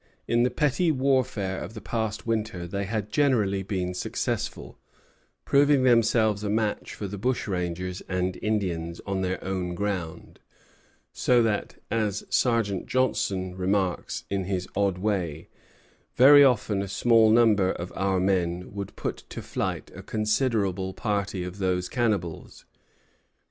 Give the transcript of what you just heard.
In the petty warfare of the past winter they had generally been successful, proving themselves a match for the bushrangers and Indians on their own ground; so that, as Sergeant Johnson remarks, in his odd way, "Very often a small number of our men would put to flight a considerable party of those Cannibals."